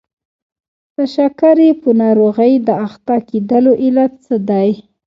د شکرې په ناروغۍ د اخته کېدلو علت څه دی؟